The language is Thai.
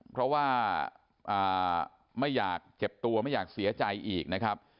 เพราะว่าไม่อยากเจ็บตัวไม่อยากเสียใจอีกนะครับ